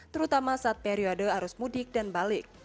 terutama saat periode arus mudik dan balik